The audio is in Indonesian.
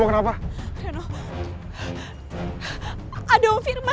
bukalah kenapa ini yang menyeronimu ratanya